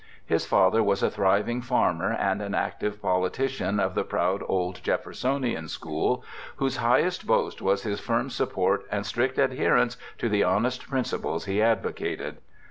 His father was a thriving farmer and an active politician of the proud old Jeffersonian school, whose highest boast was his firm support and strict adherence to the honest principles he advocated.